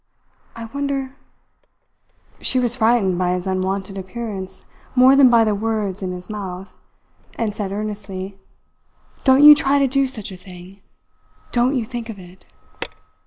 I wonder " She was frightened by his unwonted appearance more than by the words in his mouth, and said earnestly: "Don't you try to do such a thing! Don't you think of it!"